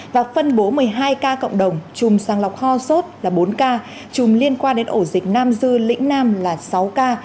và phân bố một mươi hai ca cộng đồng chùm sang lọc ho sốt là bốn ca chùm liên quan đến ổ dịch nam dư lĩnh nam là sáu ca